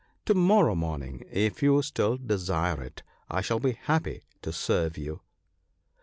To morrow morning, if you still desire it, I shall be happy to serve you."